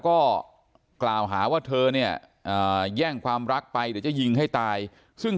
ก็กล่าวหาว่าเธอเนี่ยแย่งความรักไปเดี๋ยวจะยิงให้ตายซึ่ง